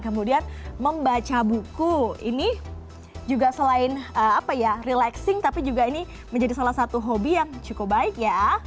kemudian membaca buku ini juga selain relaxing tapi juga ini menjadi salah satu hobi yang cukup baik ya